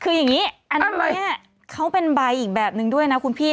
คืออย่างนี้อันนี้เขาเป็นใบอีกแบบนึงด้วยนะคุณพี่